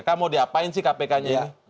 kamu diapain sih kpk nya ini